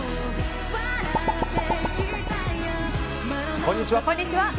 こんにちは。